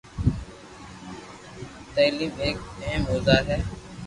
تعليم هڪ اهم اوزار آهي